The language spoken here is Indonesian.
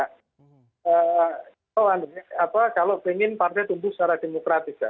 kalau anda kalau ingin partai tumbuh secara demokratis ya